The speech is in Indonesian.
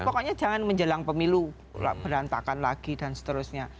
pokoknya jangan menjelang pemilu berantakan lagi dan seterusnya